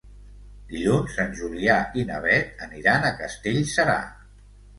Dilluns en Julià i na Beth aniran a Castellserà.